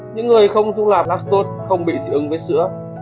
những người không thu nạp lắc tốt không bị dị ứng với sữa